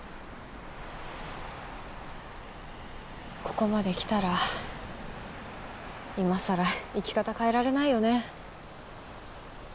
ここまできたら今更生き方変えられないよね。